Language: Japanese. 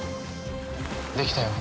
できたよ。